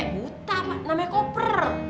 buta pak namanya koper